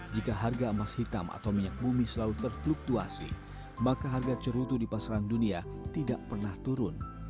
jika harga emas hitam atau minyak bumi selalu terfluktuasi maka harga cerutu di pasaran dunia tidak pernah turun